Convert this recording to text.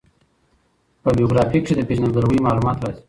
په بېوګرافي کښي د پېژندګلوي معلومات راځي.